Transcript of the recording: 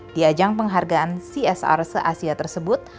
di ajang penghargaan csr se asia tersebut